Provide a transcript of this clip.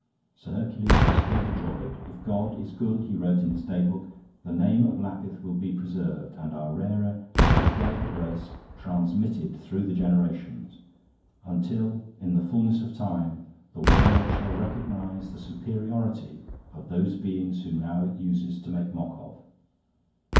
Sir Hercules was overjoyed. 'If God is good,' he wrote in his day book, 'the name of Lapith will be preserved and our rarer and more delicate race transmitted through the generations until in the fullness of time the world shall recognise the superiority of those beings whom now it uses to make mock of.